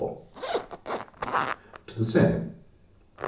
To the same.